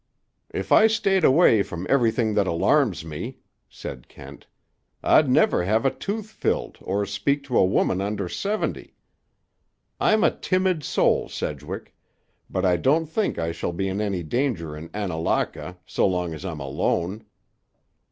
"If I stayed away from everything that alarms me," said Kent, "I'd never have a tooth filled or speak to a woman under seventy. I'm a timid soul, Sedgwick; but I don't think I shall be in any danger in Annalaka so long as I'm alone.